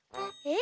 え！